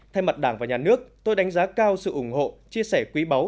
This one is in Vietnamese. thay mặt đảng và nhà nước tôi đánh giá cao sự ủng hộ chia sẻ quý báu